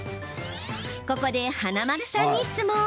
ここで華丸さんに質問。